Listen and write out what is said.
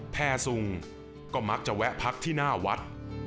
แพร่สุงก็มักจะแวะพักที่หน้าวัด